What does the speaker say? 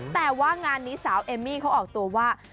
แต่ว่างานนี้สาวเอมมี่เขาออกตัวว่า